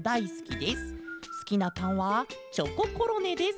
すきなパンはチョココロネです。